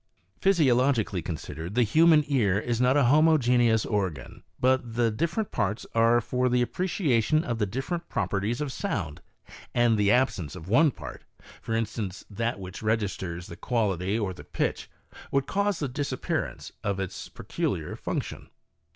Physiologically considered, the human ear is not a homo geneous organ, but the different parts are for the appreciation of the different properties of sound; and the absence of one part — for instance, that which registers the quality, or the pitch, would cause the disappearance of its peculiar function.